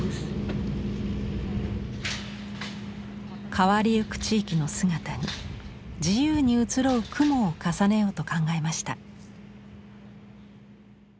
変わりゆく地域の姿に自由に移ろう「雲」を重ねようと考えました。